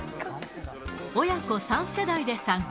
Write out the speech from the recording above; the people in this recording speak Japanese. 親子３世代で参加。